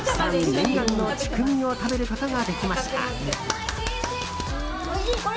念願のチュクミを食べることができました。